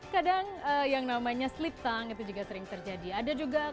hal yang paling buruk adalah